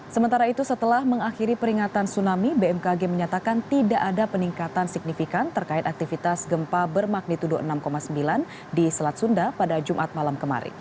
sementara itu setelah mengakhiri peringatan tsunami bmkg menyatakan tidak ada peningkatan signifikan terkait aktivitas gempa bermagnitudo enam sembilan di selat sunda pada jumat malam kemarin